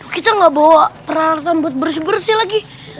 kita nggak bawa peralatan buat bersih bersih lagi